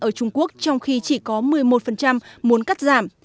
ở trung quốc trong khi chỉ có một mươi một muốn cắt giảm